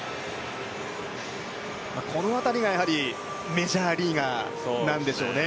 この辺りがメジャーリーガーなんでしょうね。